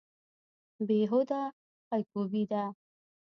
بې هوده پایکوبي ده.